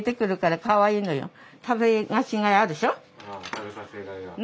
食べさせがいがある。